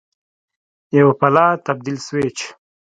یو پله تبدیل سویچ